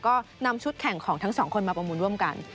ก็นำชุดแข่งของทั้งสองคนมาประมูลร่วมกัน